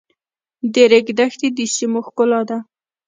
د ریګ دښتې د سیمو ښکلا ده.